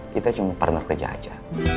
kita cuma partner kerja aja